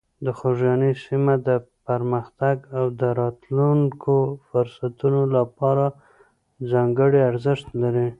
د خوږیاڼي سیمه د پرمختګ او د راتلونکو فرصتونو لپاره ځانګړې ارزښت لري.